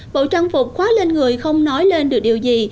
bộ trang phục khoá lên người không nói lên được điều gì